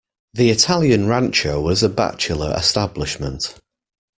The Italian rancho was a bachelor establishment.